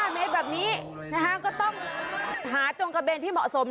๕เมตรแบบนี้ก็ต้องหาจงกระเบนที่เหมาะสม